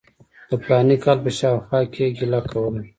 د فلاني کال په شاوخوا کې یې ګیله کوله.